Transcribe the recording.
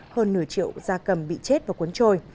hơn nửa triệu da cầm bị chết và cuốn trôi